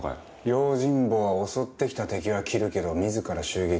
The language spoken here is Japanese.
用心棒は襲ってきた敵は斬るけど自ら襲撃はしない。